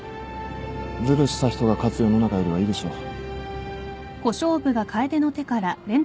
ずるした人が勝つ世の中よりはいいでしょう。